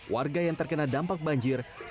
warga yang terkena dampak banjir